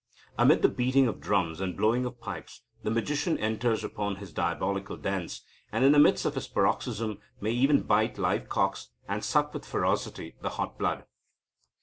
Amidst the beating of drums and blowing of pipes, the magician enters upon his diabolical dance, and, in the midst of his paroxysm, may even bite live cocks, and suck with ferocity the hot blood."